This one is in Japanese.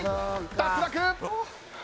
脱落。